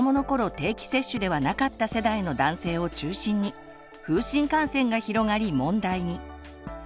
定期接種ではなかった世代の男性を中心に風疹感染が広がり問題に。